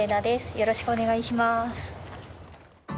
よろしくお願いします。